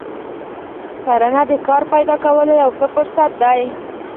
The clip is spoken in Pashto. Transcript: کرنه د کار پیدا کولو یو ښه فرصت دی.